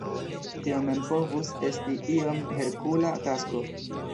Tio mem povus esti iom Herkula tasko.